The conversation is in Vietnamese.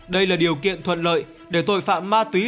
đây là điều kiện thuận lợi để tội phạm ma túy